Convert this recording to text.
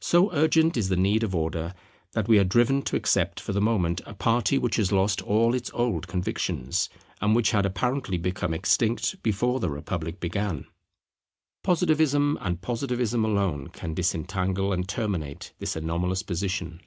So urgent is the need of Order that we are driven to accept for the moment a party which has lost all its old convictions, and which had apparently become extinct before the Republic began. Positivism and Positivism alone can disentangle and terminate this anomalous position.